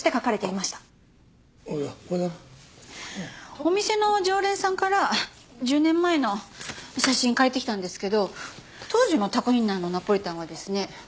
お店の常連さんから１０年前の写真借りてきたんですけど当時のタコウインナーのナポリタンはですね